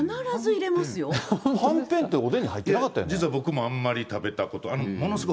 はんぺんって、おでんに入っ実は僕もあんまり食べたことない。